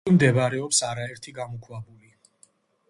ირგვლივ მდებარეობს არაერთი გამოქვაბული.